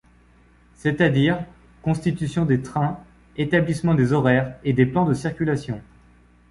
C'est-à-dire constitution des trains, établissement des horaires et des plans de circulation.